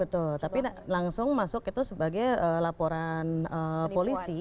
betul tapi langsung masuk itu sebagai